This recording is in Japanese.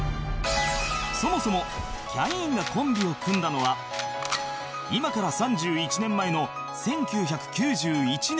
そもそもキャインがコンビを組んだのは今から３１年前の１９９１年